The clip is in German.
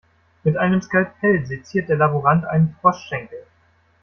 Mit einem Skalpell seziert der Laborant einen Froschschenkel.